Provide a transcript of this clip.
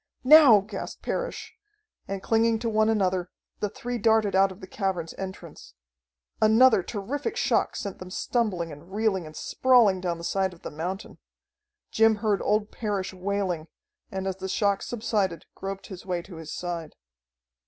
"Now!" gasped Parrish, and, clinging to one another, the three darted out of the cavern's entrance. Another terrific shock sent them stumbling and reeling and sprawling down the side of the mountain. Jim heard old Parrish wailing, and, as the shock subsided, groped his way to his side.